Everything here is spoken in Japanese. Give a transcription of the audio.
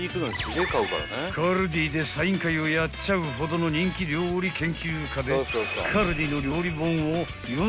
［カルディでサイン会をやっちゃうほどの人気料理研究家で］